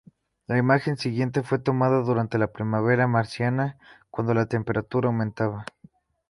La imagen siguiente fue tomada durante la primavera marciana, cuando la temperatura aumentaba.